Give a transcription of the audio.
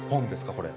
これ。